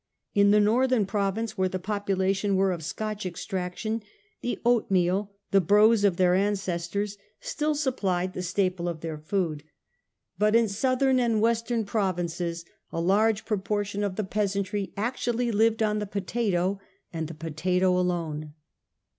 In the northern province, where the population were of Scotch extraction, the oatmeal, the brose of then ancestors, still supplied the 362 A. HISTORY OF OUR OWN TIMES. on. xv. staple of their food ; but in the southern and western provinces a large proportion of the peasantry actually lived on the potato and the potato alone.